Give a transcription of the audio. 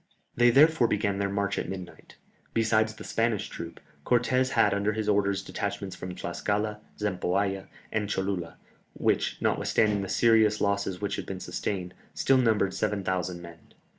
They therefore began their march at midnight. Besides the Spanish troops, Cortès had under his orders detachments from Tlascala, Zempoalla, and Cholula, which, notwithstanding the serious losses which had been sustained, still numbered 7000 men.